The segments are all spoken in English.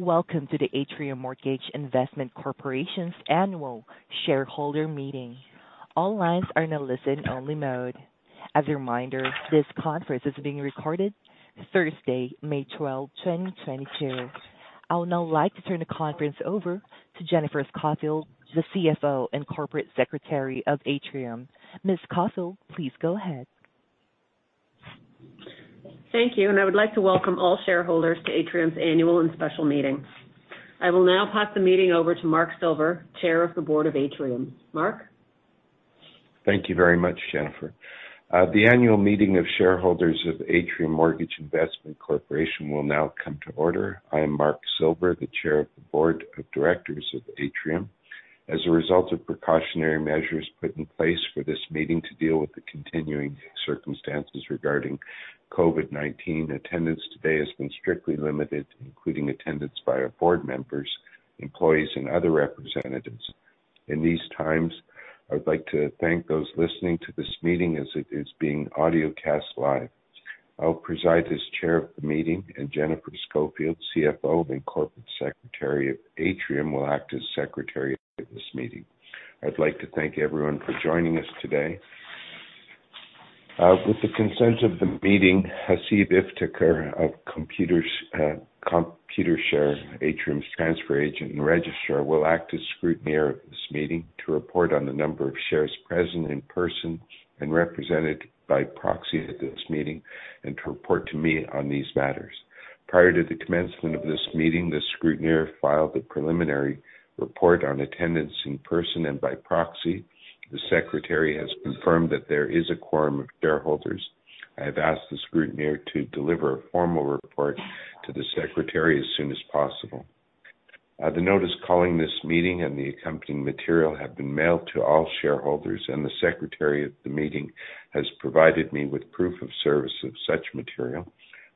Welcome to the Atrium Mortgage Investment Corporation's annual shareholder meeting. All lines are now in listen-only mode. As a reminder, this conference is being recorded Thursday, May twelve, twenty twenty-two. I'll now like to turn the conference over to Jennifer Scoffield, the CFO and corporate secretary of Atrium. Ms. Scoffield, please go ahead. Thank you. I would like to welcome all shareholders to Atrium's annual and special meeting. I will now pass the meeting over to Mark Silver, chair of the board of Atrium. Mark? Thank you very much, Jennifer. The annual meeting of shareholders of Atrium Mortgage Investment Corporation will now come to order. I am Mark Silver, the chair of the Board of Directors of Atrium. As a result of precautionary measures put in place for this meeting to deal with the continuing circumstances regarding COVID-19, attendance today has been strictly limited, including attendance by our board members, employees, and other representatives. In these times, I would like to thank those listening to this meeting as it is being audiocast live. I'll preside as chair of the meeting, and Jennifer Scoffield, CFO and Corporate Secretary of Atrium, will act as secretary of this meeting. I'd like to thank everyone for joining us today. With the consent of the meeting, Hasib Iftikhar of Computershare, Atrium's transfer agent and registrar, will act as scrutineer of this meeting to report on the number of shares present in person and represented by proxy at this meeting, and to report to me on these matters. Prior to the commencement of this meeting, the scrutineer filed a preliminary report on attendance in person and by proxy. The secretary has confirmed that there is a quorum of shareholders. I have asked the scrutineer to deliver a formal report to the secretary as soon as possible. The notice calling this meeting and the accompanying material have been mailed to all shareholders, and the secretary of the meeting has provided me with proof of service of such material.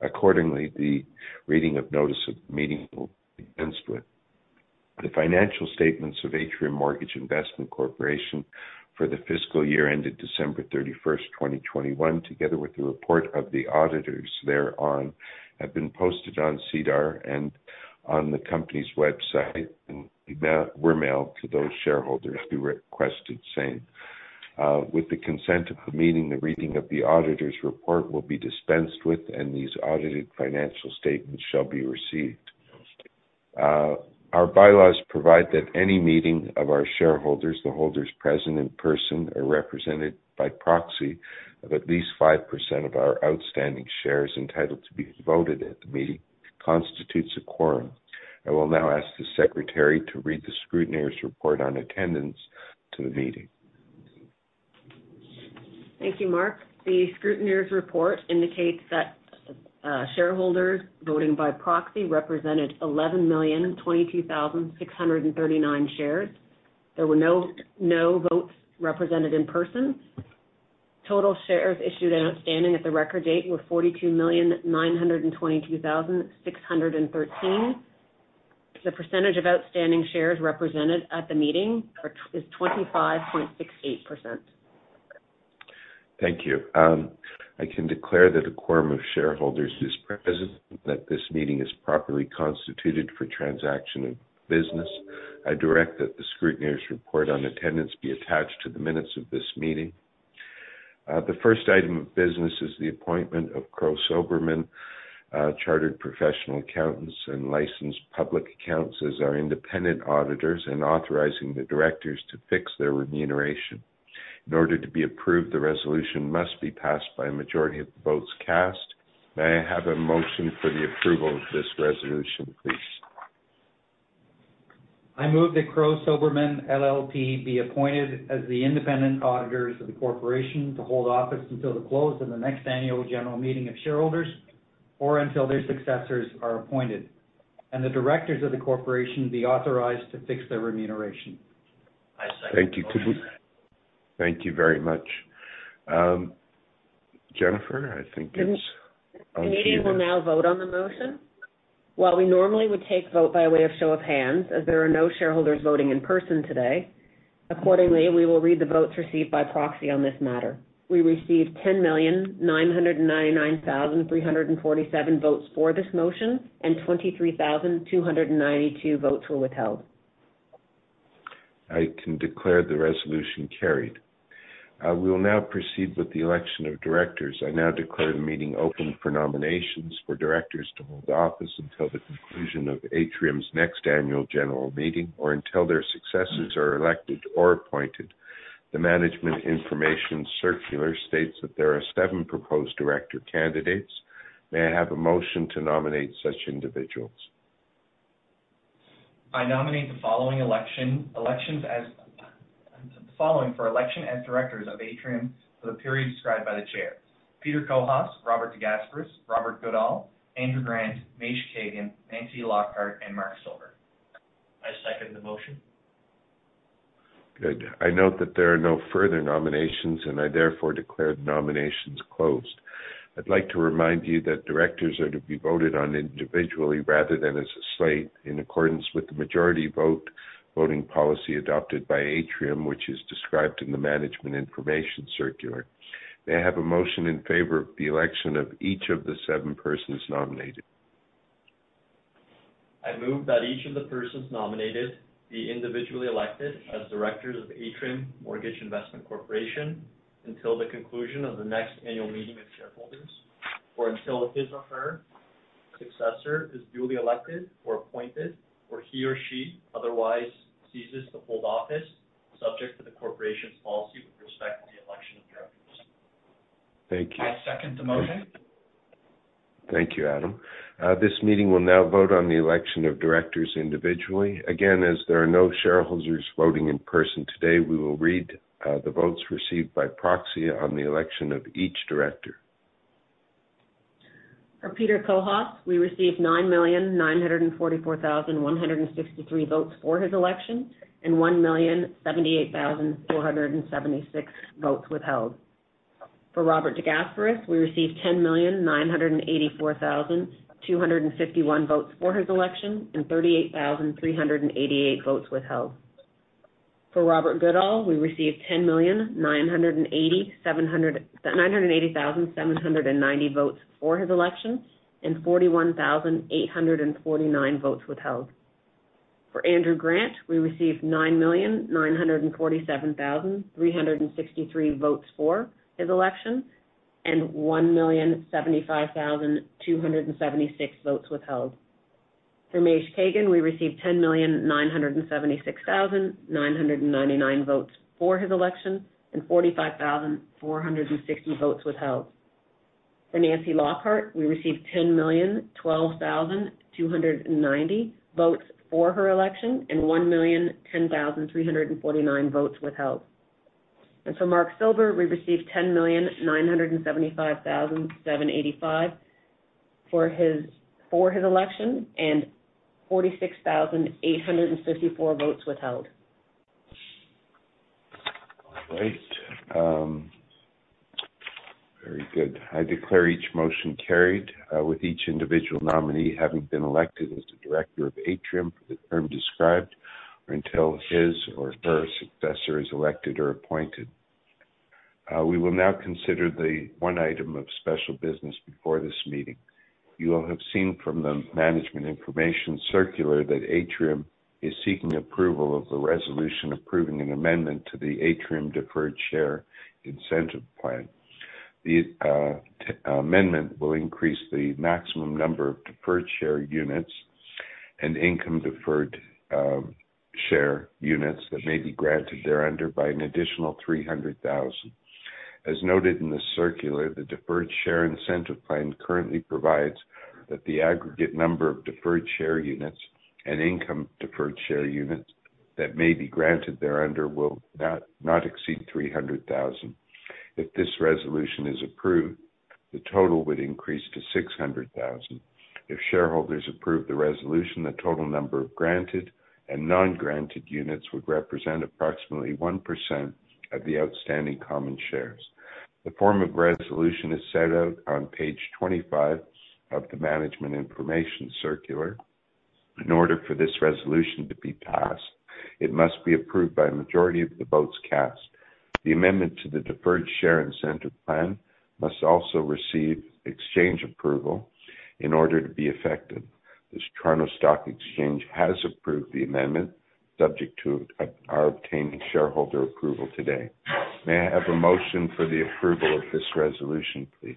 Accordingly, the reading of notice of the meeting will dispensed with. The financial statements of Atrium Mortgage Investment Corporation for the fiscal year ended December 31, 2021, together with the report of the auditors thereon, have been posted on SEDAR and on the company's website, and we were mailed to those shareholders who requested same. With the consent of the meeting, the reading of the auditor's report will be dispensed with, and these audited financial statements shall be received. Our bylaws provide that any meeting of our shareholders, the holders present in person, are represented by proxy of at least 5% of our outstanding shares entitled to be voted at the meeting, constitutes a quorum. I will now ask the secretary to read the scrutineer's report on attendance to the meeting. Thank you, Mark. The scrutineer's report indicates that shareholders voting by proxy represented 11,022,639 shares. There were no votes represented in person. Total shares issued and outstanding at the record date were 42,922,613. The percentage of outstanding shares represented at the meeting is 25.68%. Thank you. I can declare that a quorum of shareholders is present, and that this meeting is properly constituted for transaction of business. I direct that the scrutineer's report on attendance be attached to the minutes of this meeting. The first item of business is the appointment of Crowe Soberman, Chartered Professional Accountants and licensed public accountants as our independent auditors, and authorizing the directors to fix their remuneration. In order to be approved, the resolution must be passed by a majority of the votes cast. May I have a motion for the approval of this resolution, please? I move that Crowe Soberman LLP be appointed as the independent auditors of the corporation to hold office until the close of the next annual general meeting of shareholders, or until their successors are appointed, and the directors of the corporation be authorized to fix their remuneration. I second the motion. Thank you. Thank you very much. Jennifer, I think it's on to you. The meeting will now vote on the motion. While we normally would take vote by way of show of hands, as there are no shareholders voting in person today, accordingly, we will read the votes received by proxy on this matter. We received 10,999,347 votes for this motion, and 23,292 votes were withheld. I can declare the resolution carried. We will now proceed with the election of directors. I now declare the meeting open for nominations for directors to hold the office until the conclusion of Atrium's next annual general meeting or until their successors are elected or appointed. The Management Information Circular states that there are seven proposed director candidates. May I have a motion to nominate such individuals? I nominate the following for election as directors of Atrium for the period described by the chair: Peter Cohos, Robert DeGasperis, Robert Goodall, Andrew Grant, Maish Kagan Nancy Lockhart, and Mark Silver. I second the motion. Good. I note that there are no further nominations. I therefore declare the nominations closed. I'd like to remind you that directors are to be voted on individually rather than as a slate, in accordance with the Majority Voting Policy adopted by Atrium, which is described in the Management Information Circular. May I have a motion in favor of the election of each of the seven persons nominated? I move that each of the persons nominated be individually elected as directors of Atrium Mortgage Investment Corporation until the conclusion of the next annual meeting of shareholders, or until his or her successor is duly elected or appointed, or he or she otherwise ceases to hold office, subject to the corporation's policy with respect to the election of directors. Thank you. I second the motion. Thank you, Adam. This meeting will now vote on the election of directors individually. Again, as there are no shareholders voting in person today, we will read the votes received by proxy on the election of each director. For Peter Cohos, we received 9,944,163 votes for his election and 1,078,476 votes withheld. For Robert DeGasperis, we received 10,984,251 votes for his election and 38,388 votes withheld. For Robert Goodall, we received 10,980,790 votes for his election and 41,849 votes withheld. For Andrew Grant, we received 9,947,363 votes for his election and 1,075,276 votes withheld. For Mazyar Kahnamoui, we received 10,976,999 votes for his election and 45,460 votes withheld. For Nancy Lockhart, we received 10,012,290 votes for her election and 1,010,349 votes withheld. For Mark Silver, we received 10,975,785 for his election and 46,854 votes withheld. All right, very good. I declare each motion carried with each individual nominee having been elected as the director of Atrium for the term described, or until his or her successor is elected or appointed. We will now consider the one item of special business before this meeting. You will have seen from the Management Information Circular that Atrium is seeking approval of the resolution, approving an amendment to the Atrium Deferred Share Incentive Plan. The amendment will increase the maximum number of deferred share units and income deferred share units that may be granted thereunder by an additional 300,000. As noted in the circular, the Deferred Share Incentive Plan currently provides that the aggregate number of deferred share units and income deferred share units that may be granted thereunder will not exceed 300,000. If this resolution is approved, the total would increase to 600,000. If shareholders approve the resolution, the total number of granted and non-granted units would represent approximately 1% of the outstanding common shares. The form of resolution is set out on page 25 of the Management Information Circular. In order for this resolution to be passed, it must be approved by a majority of the votes cast. The amendment to the Deferred Share Incentive Plan must also receive exchange approval in order to be affected. The Toronto Stock Exchange has approved the amendment, subject to our obtaining shareholder approval today. May I have a motion for the approval of this resolution, please?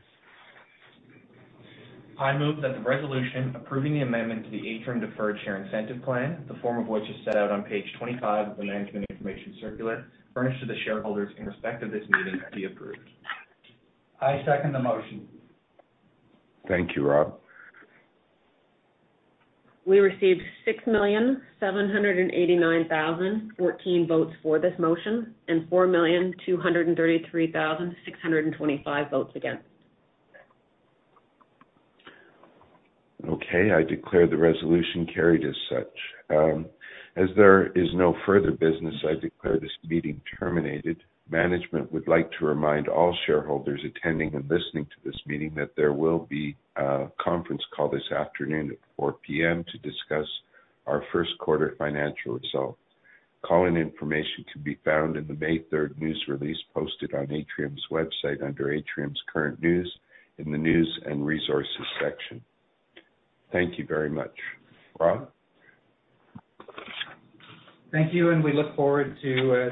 I move that the resolution approving the amendment to the Atrium Deferred Share Incentive Plan, the form of which is set out on page 25 of the Management Information Circular, furnished to the shareholders in respect of this meeting, be approved. I second the motion. Thank you, Rob. We received 6,789,014 votes for this motion and 4,233,625 votes against. Okay, I declare the resolution carried as such. As there is no further business, I declare this meeting terminated. Management would like to remind all shareholders attending and listening to this meeting that there will be a conference call this afternoon at 4:00 P.M. to discuss our first quarter financial results. Call-in information can be found in the May 3rd news release, posted on Atrium's website under Atrium's Current News, in the News and Resources section. Thank you very much. Rob? Thank you, and we look forward to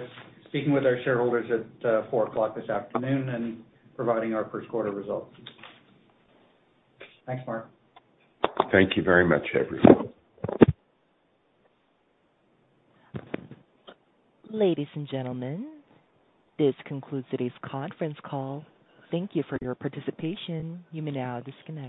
speaking with our shareholders at 4:00 P.M. this afternoon and providing our first quarter results. Thanks, Mark. Thank you very much, everyone. Ladies and gentlemen, this concludes today's conference call. Thank you for your participation. You may now disconnect.